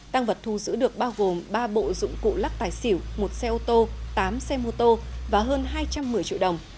tăng vật thu giữ được bao gồm ba bộ dụng cụ lắc tài xỉu một xe ô tô tám xe mô tô và hơn hai trăm một mươi triệu đồng